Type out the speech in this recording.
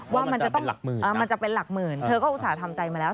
ว่ามันจะเป็นหลักหมื่นเธอก็อุตส่าห์ทำใจมาแล้ว